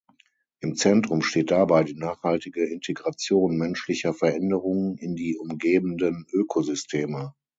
Im Zentrum steht dabei die nachhaltige Integration menschlicher Veränderungen in die umgebenden Ökosysteme.